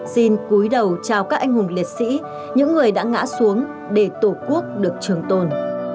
xin cúi đầu chào các anh hùng liệt sĩ những người đã ngã xuống để tổ quốc được trường tồn